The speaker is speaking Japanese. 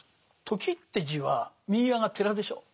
「時」って字は右側が寺でしょう。